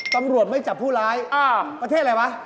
ตำรวจไม่จับผู้ร้ายประเทศอะไรวะ